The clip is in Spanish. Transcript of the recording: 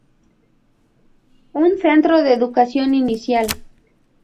Un centro de educación inicial.